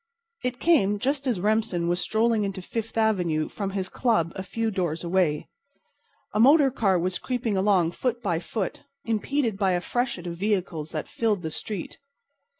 It came just as Remsen was strolling into Fifth avenue from his club a few doors away. A motor car was creeping along foot by foot, impeded by a freshet of vehicles that filled the street.